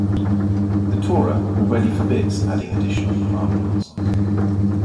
The Torah already forbids adding additional commandments.